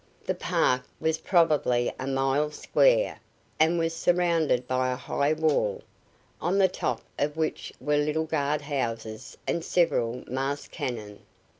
The park was probably a mile square, and was surrounded by a high wall, on the top of which were little guard houses and several masked cannon.